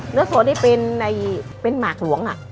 เนื้อสดนี่เป็นเป็นหมากหลวงอ่ะ